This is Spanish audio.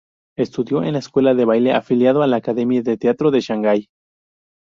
Estudió en la Escuela de baile afiliado a la Academia de Teatro de Shangai.